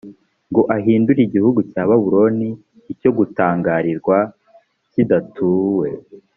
ngo ahindure igihugu cya babuloni icyo gutangarirwa kidatuw